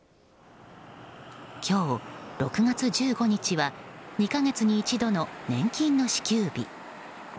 今日、６月１５日は２か月に一度の年金の支給日。